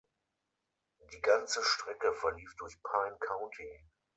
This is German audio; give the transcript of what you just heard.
Die ganze Strecke verlief durch Pine County.